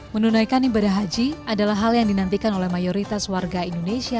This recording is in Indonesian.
menunaikan ibadah haji adalah hal yang dinantikan oleh mayoritas warga indonesia